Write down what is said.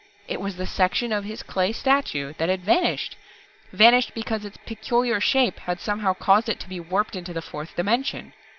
It was the section of his clay statue that had vanished vanished because its peculiar shape had somehow caused it to be warped into the fourth dimension!